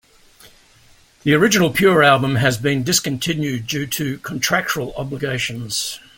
The original "Pure" album has been discontinued due to contractual obligations.